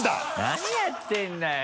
何やってるんだよ！